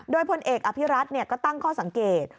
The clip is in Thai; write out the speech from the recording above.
โดยพลเอกอภิรัตนก็ตั้งข้อสังเกต